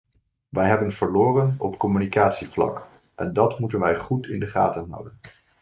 Wij hebben verloren op communicatievlak en dat moeten wij goed in de gaten houden.